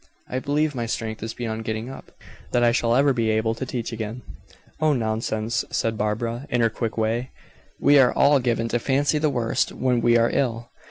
I believe my strength is beyond getting up that I shall never be able to teach again." "Oh, nonsense," said Barbara, in her quick way. "We are all given to fancy the worst when we are ill.